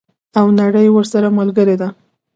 او نړۍ ورسره ملګرې ده.